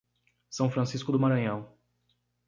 São Francisco do Maranhão